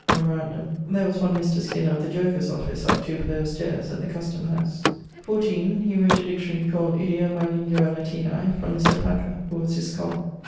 Memorandum there was one Mr. Skinner of the Jerkers office up 2 paire of stayres at the Custome house. 14. He wrote a dictionary called Idioma linguae Latinae (from Mr. Packer who was his scholar).